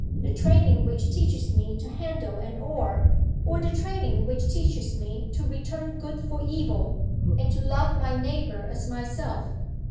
The training which teaches me to handle an oar? or the training which teaches me to return good for evil, and to love my neighbor as myself?